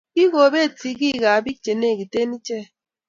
Kikobet sigik ak bik che negite ichek